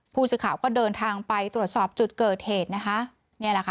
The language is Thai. ผู้สื่อข่าวก็เดินทางไปตรวจสอบจุดเกิดเหตุนะคะนี่แหละค่ะ